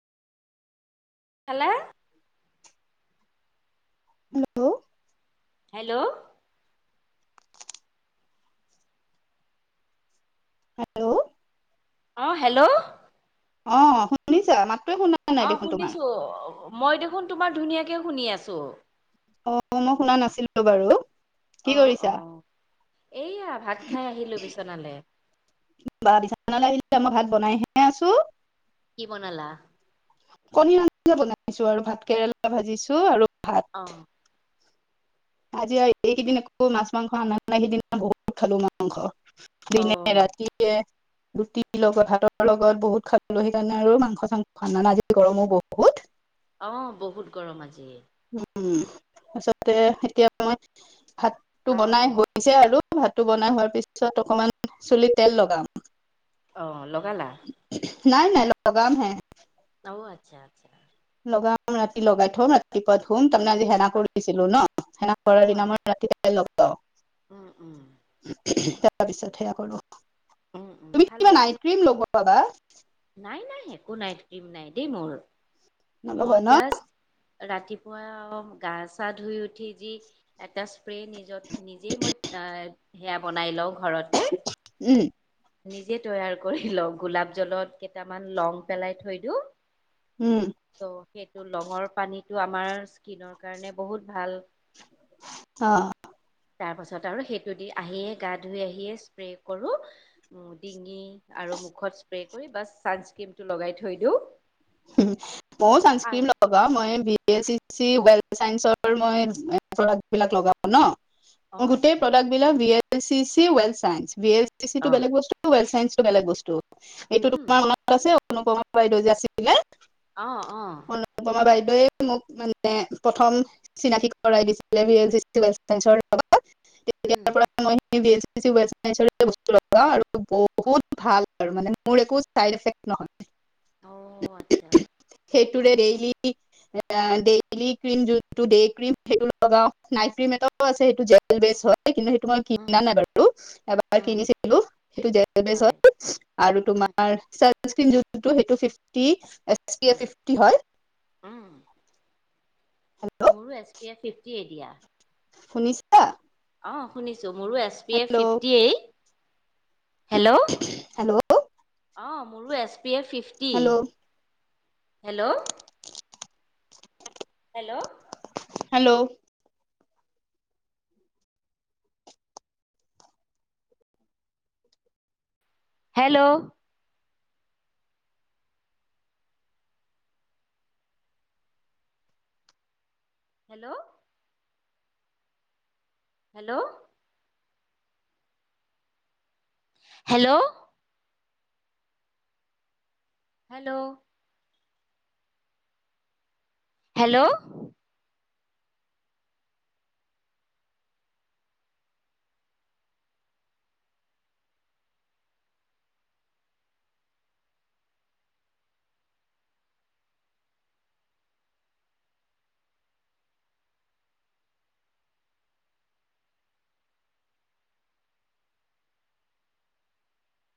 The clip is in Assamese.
ফালে হেল্ল'। হেল্ল'। হেল্ল'। অ', হেল্ল'। অ', শুনিছা, মাতটোৱে শুনা নাই অ', দেখোন তোমাৰ শুনিছো মই দেখোন তোমাৰ ধুনীয়াকে শুনি আছোঁ। অ', মই শুনা নাছিলো বাৰু। কি অ', কৰিছা অ', এইয়া ভাত খাই আহিলোঁ বিচনালে। কিবা বিচনা লাগ আহিল মই ভাত বনাইহে আছোঁ। কি বনালা? কনীৰ আঞ্জা বনাইছো আৰু ভাত কেৰেলা ভাজিছো আৰু ভাত। অ'। আজি আৰু এইকেইদিন আকৌ মাছ মাংস আনাই সেইদিনা বহুত খালোঁ মা মাংস। অ দিনে ৰাতিয়ে। ৰুটিৰ লগত ভাতৰ লগত বহুত খালোঁ, সেইকাৰণে আৰু মাংস চাংস খানা আজি গৰমো বহুত। অ', বহুত গৰম আজি। উম, তাৰপিছতে এতিয়া মই ভাতটো অ বনাই হ হৈছে আৰু ভাতটো বনাই হোৱাৰ পিছত অকমান চুলিত তেল লগাম। অ লগালা? নাই নাই লগাম হে। অ আচ্ছা আচ্ছা। লগাম ৰাতি লগাই থম, ৰাতিপুৱা ধুম তাৰমানে আজি হেড সেনা অ কৰিছিলো ন সেনা অ কৰাৰ দিনা আচ্ছা মই ৰাতিহে লগাও। উম উম তাৰপিছত সেয়া কৰো। উম উম তুমি কিবা ভালেই নাইট দিয়া ক্ৰীম লগাবা। নাই নাই একো নাইট ক্ৰীম নাই দেই মোৰ, মই নলগোৱা ন জাষ্ট ৰাতিপুৱা অ গা চা ধুই উঠি যি, এটা স্প্ৰে নিজ নিজে মই আহ সেয়া বনাই লওঁ ঘৰতে। উম নিজে তৈয়াৰ কৰি লওঁ গোলাপ জলত কেইটামান লং পেলাই থৈ দিওঁ। উম ত' সেইটো লঙৰ পানীটো আমাৰ স্কিনৰ কাৰণে বহুত ভাল। অহ তাৰ পাছত আৰু সেইটো দি আহিয়ে গা ধুই আহিয়ে স্প্ৰে কৰোঁ। ডিঙি আৰু মুখত স্প্ৰে কৰি বা ছানস্ক্ৰীমটো লগাই থৈ দিওঁ। উ মও চানস্ক্ৰিন আৰু লও। লও মই বি ভে এপ চি চি ৱেল চাইনচৰ ৰ মই ৱেল প্ৰডাক্ত বিলাক লগাও ন। অ [unintelligible] ৱেল আচ্ছা চাইঞ্চ অ টো বেলেগ বস্তু এইটো উম তোমাৰ মনত আছে অনুপমা বাইদেউ যে আছিলে। অ অ অনুপমা বাইদেৱে মোক মানে প্ৰথম। চিনাকি কৰাই দিছিলে লগত উম তেতিয়াৰ পৰা মই, আৰু বহুত ভাল আৰু মানে মোৰ একো চাইডফেক্ট নহয়। অ আচ্ছা। সেইটোৰে দেইলি। এ ডেইলি ক্ৰিম যোনটো ডেই ক্ৰিম সেইটো লগাও নাইট ক্ৰীম এটা, ছে সেইটো জেল বেচ হয় কিন্তু সেইটো মই উম, কিনা নাই বাৰু, এবাৰ উম, কিনিছিলো সেইটো জেল বেচ হয়, আৰু উম, তোমাৰ ছেলফ কিৰিম যিটো সেইটো ফিফি উম, ফিফটি হয়। উম, [inaudible] মোৰো এছ পি এফ ফিফটি এ দিয়া। শুনিছা? অঁ শুনিছোঁ মোৰো এছ পি এই হেল্ল' ফিফটি এই। হেল্ল' হেল্ল' অ মোৰো S P F fifty hello hello hello hello hello hello hello hello hello hello? Hello